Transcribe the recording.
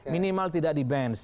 minimal tidak di bans